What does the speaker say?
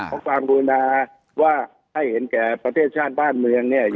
ความบูรณาว่าให้เห็นแก่ประเทศชาติบ้านเมืองเนี่ย